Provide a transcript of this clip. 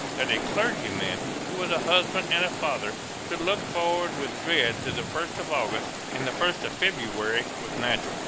That a clergyman who was a husband and a father should look forward with dread to the first of August and the first of February was natural.